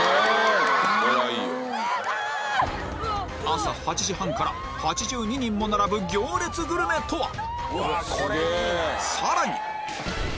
朝８時半から８２人も並ぶ行列グルメとは？